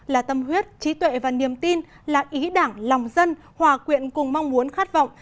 là tâm huyết trí tuệ và niềm tin là ý đảng lòng dân hòa quyện cùng mong muốn khát vọng